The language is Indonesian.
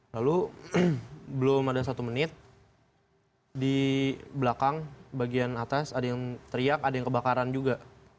lalu belum ada satu menit di belakang bagian atas ada yang teriak ada yang kebakaran juga